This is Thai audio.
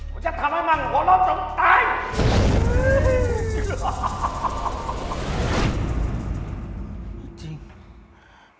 ผมจะทำให้มันขอโลกจนตาย